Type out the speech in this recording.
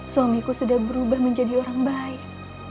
suamiku sudah berubah menjadi orang baik